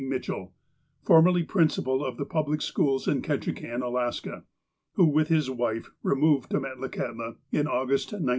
Mitchell, formerly principal of the pub lic schools in Ketchikan, Alaska, who, with his wife, re moved to Metlakahtla in August, 1908.